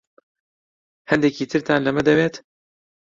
هەندێکی ترتان لەمە دەوێت؟